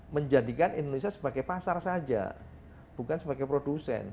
menjadikan indonesia sebagai pasar saja bukan sebagai produsen